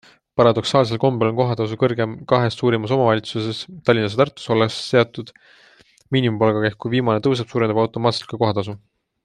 Paradoksaalsel kombel on kohatasu kõrgeim kahes suurimas omavalitsuses Tallinnas ja Tartus, olles seotud miinimumpalgaga, ehk kui viimane tõuseb, suureneb automaatselt ka kohatasu.